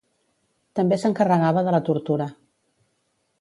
També s'encarregava de la tortura.